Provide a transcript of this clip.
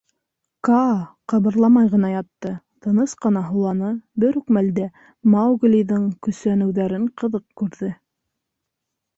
Каа ҡыбырламай ғына ятты, тыныс ҡына һуланы, бер үк мәлдә Мауглиҙың көсәнеүҙәрен ҡыҙыҡ күрҙе.